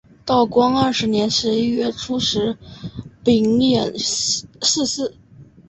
道光二十年十一月初十丙寅逝世。